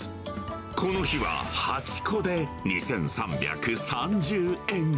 この日は８個で２３３０円。